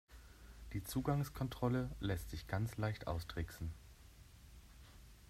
Die Zugangskontrolle lässt sich ganz leicht austricksen.